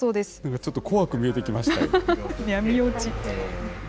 ちょっと怖く見えてきましたよ。